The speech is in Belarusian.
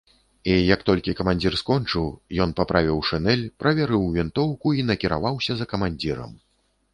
І як толькі камандзір скончыў, ён паправіў шынель, праверыў вінтоўку і накіраваўся за камандзірам.